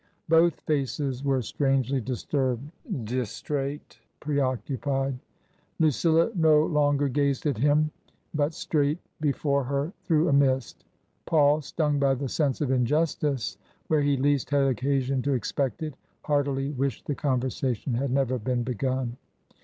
Both faces were strangely disturbed, distrait, preoccupied. Lu cilla no longer gazed at him, but straight before her as© TRANSITION. through a mist. Paul, stung by the sense of injustice where he least had occasion to expect it, heartily wished the conversation had never been begun.